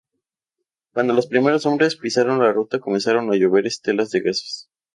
Cuando los primeros hombres pisaron la ruta comenzaron a llover estelas de gases.